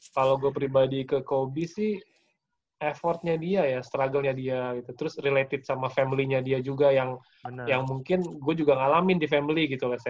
kalau gue pribadi ke coby sih effortnya dia ya struggle nya dia gitu terus related sama family nya dia juga yang mungkin gue juga ngalamin di family gitu ⁇ lets ⁇